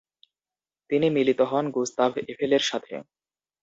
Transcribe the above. তিনি মিলিত হন গুস্তাভ এফেলের সাথে।